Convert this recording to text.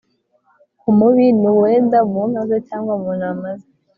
umubi ni uwenda mu nka ze cyangwa mu ntama ze